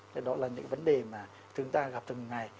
thế đó là những vấn đề mà chúng ta gặp từng ngày